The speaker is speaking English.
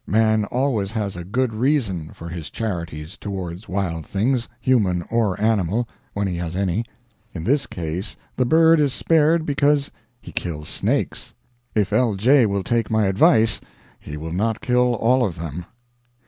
Man always has a good reason for his charities towards wild things, human or animal when he has any. In this case the bird is spared because he kills snakes. If L. J. will take my advice he will not kill all of them.